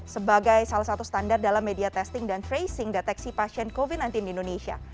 sebagai salah satu standar dalam media testing dan tracing deteksi pasien covid sembilan belas di indonesia